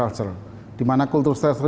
maka diterapkan yang namanya kultur stelcel